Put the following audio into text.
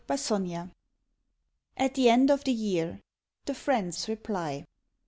"]AT THE END OF THE YEAR. THE FRIEND'S REPLY.